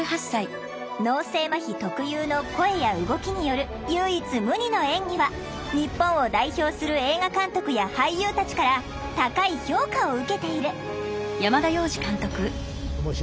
脳性まひ特有の声や動きによる唯一無二の演技は日本を代表する映画監督や俳優たちから高い評価を受けている。